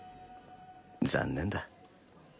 残念だ。